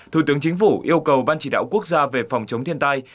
thủ tướng chính phủ yêu cầu ban chỉ đạo quốc gia về phòng chống thiên tai